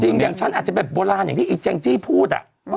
อย่างฉันอาจจะแบบโบราณอย่างที่อีแจงจี้พูด